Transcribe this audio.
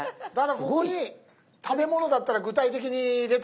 ここに食べ物だったら具体的に入れたりとかすると。